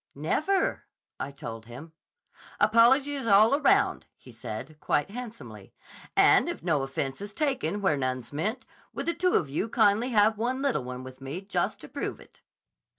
'Never,' I told him. 'Apologies all round,' he said, quite handsomely. 'And if no offense is taken where none's meant, would the two of you kindly have one little one with me just to prove it?"